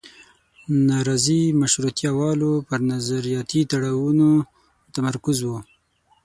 نارضي مشروطیه والو پر نظریاتي تړاوونو تمرکز و.